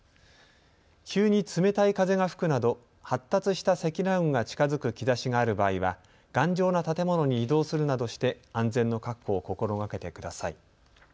急に冷たい風が吹くなど発達した積乱雲が近づく兆しがある場合は頑丈な建物に移動するなどして安全の確保を心がけてください。